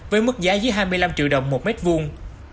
với mức giá dưới hai mươi năm triệu đồng một mét vuông